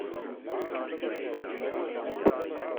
Ttmeslayeɣ talmanit.